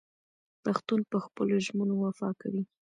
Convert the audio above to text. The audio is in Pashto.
پښتون په خپلو ژمنو وفا کوي.